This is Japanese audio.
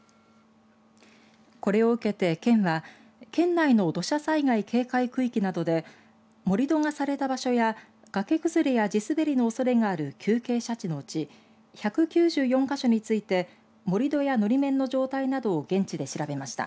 これを受けて、県は県内の土砂災害警戒区域などで盛り土がされた場所や崖崩れや地すべりのおそれがある急傾斜地のうち１９４か所について盛り土や、のり面の状態などを現地で調べました。